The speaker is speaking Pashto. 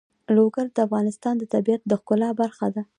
لوگر د افغانستان د طبیعت د ښکلا برخه ده.